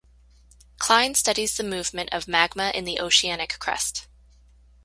Klein studies the movement of magma in the oceanic crust.